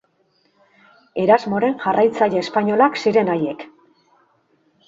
Erasmoren jarraitzaile espainolak ziren haiek.